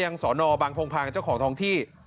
สอนอบางพงพางเจ้าของท้องที่